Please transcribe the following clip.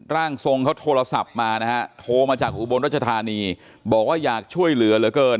ร่างทรงเขาโทรศัพท์มานะฮะโทรมาจากอุบลรัชธานีบอกว่าอยากช่วยเหลือเหลือเกิน